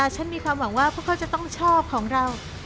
ฉันมีความหวังว่าพวกเขาจะต้องชอบของเรา